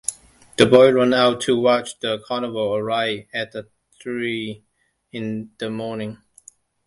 The boys run out to watch the carnival arrive at three in the morning.